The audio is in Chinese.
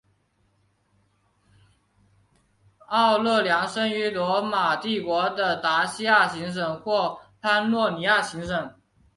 奥勒良生于罗马帝国的达西亚行省或潘诺尼亚行省。